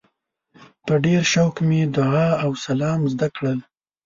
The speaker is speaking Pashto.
په ډېر شوق مې دعا او سلام زده کړل.